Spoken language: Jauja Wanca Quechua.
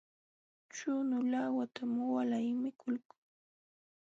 Chunu laawatam walay mikuqluu.